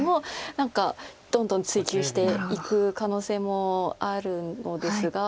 何かどんどん追及していく可能性もあるのですが。